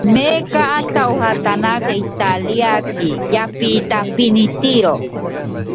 Añora el sur de Italia y lo frecuenta repetidas veces.